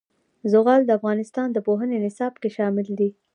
زغال د افغانستان د پوهنې نصاب کې شامل دي.